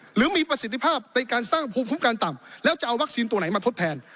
หรือมีประสิทธิภาพในการสร้างภูมิคุ้มกันต่ำแล้วจะเอาวัคซีนตัวไหนมาทดแทน